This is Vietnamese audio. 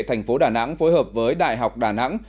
tp đà nẵng phối hợp với đại học đà nẵng